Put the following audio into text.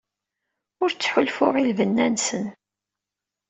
Ur ttḥulfuɣ i lbenna-nsen.